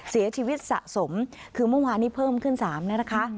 เสียชีวิตสะสมคือเมื่อวานนี้เพิ่มขึ้น๓แล้วนะคะ